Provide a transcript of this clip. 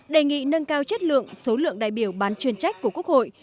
đề nghị nâng cao chất lượng số lượng đại biểu bán chuyên trách của quốc hội